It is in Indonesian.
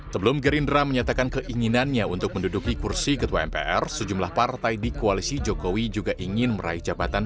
sebelum gerindra menyatakan keinginannya untuk menduduki kursi ketua mpr sejumlah partai di koalisi jokowi juga ingin meraih jabatan